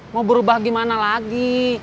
mau berubah gimana lagi